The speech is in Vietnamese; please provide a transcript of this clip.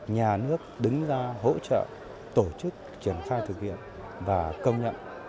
nhà nước đứng ra hỗ trợ tổ chức triển khai thực hiện và công nhận